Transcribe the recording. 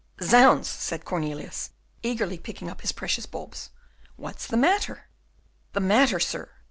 "Zounds!" said Cornelius, eagerly picking up his precious bulbs, "what's the matter?" "The matter, sir!"